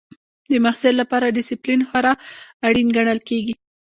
د محصل لپاره ډسپلین خورا اړین ګڼل کېږي.